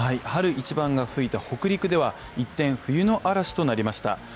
春一番が吹いた北陸では一転、冬の嵐となりました。